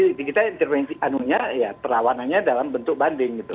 jadi kita intervensi anunya ya perlawanannya dalam bentuk banding gitu